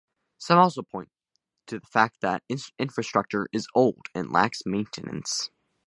Some also point to the fact that the infrastructure is old and lacks maintenance.